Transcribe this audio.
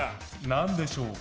何でしょう？